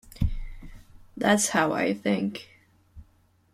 That's how I think.